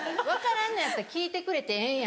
分からんのやったら聞いてくれてえ